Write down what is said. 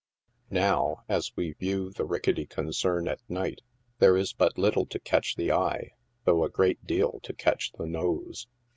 Now, as we view the ricketty concern at night, there is but little to catch the eye, though a great deal to catch the nose.